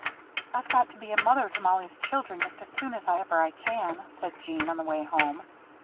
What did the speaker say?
"I've got to be a mother to Mollie's children just as soon as ever I can," said Jeanne, on the way home.